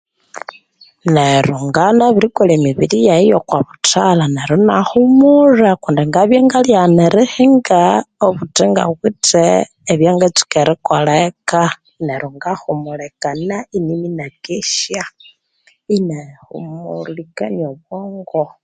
Neryo ngabya inabirikolha emibiri yaghe eyoko buthalha neryo inahumulha kundi ngabya ingalyaghana erihinga obuthi ingawithe ebyangatsuka erikolha eka, neryo ngahumulikana inimya inakesya inahumulikania obwongo.